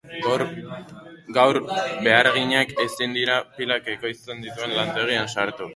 Gaur beharginak ezin izan dira pilak ekoizten dituen lantegian sartu.